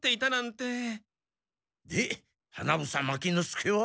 で花房牧之介は？